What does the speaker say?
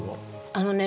あのね